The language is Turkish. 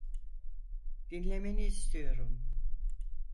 Dinlemeni istiyorum.